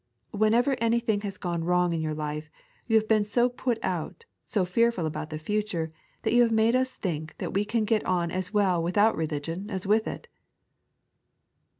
Whenever anything has gone wrong in your life, yon have been so put out, so fearful about the future, that you have made us think that we can get on as well without religion as with it."